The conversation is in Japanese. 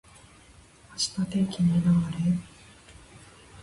明日天気にな～れ。